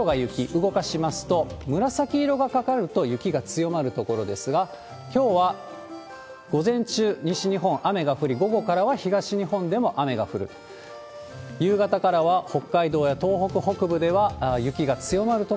動かしますと、紫色がかかると雪が強まる所ですが、きょうは午前中、西日本、雨が降り、午後からは東日本でも雨が降ると。